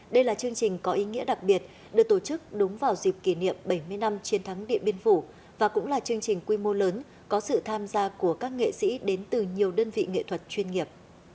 đây là chương trình có ý nghĩa đặc biệt được tổ chức đúng vào dịp kỷ niệm bảy mươi năm chiến thắng điện biên phủ và cũng là chương trình quy mô lớn có sự tham gia của các nghệ sĩ đến từ nhiều đơn vị nghệ thuật chuyên nghiệp